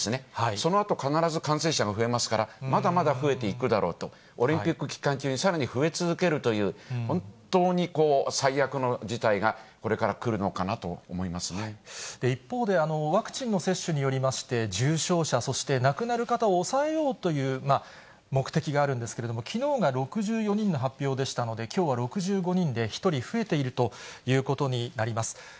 そのあと必ず感染者が増えますから、まだまだ増えていくだろうと、オリンピック期間中にさらに増え続けるという、本当に最悪の事態が、一方で、ワクチンの接種によりまして、重症者、そして亡くなる方を抑えようという目的があるんですけれども、きのうが６４人の発表でしたので、きょうは６５人で、１人増えているということになります。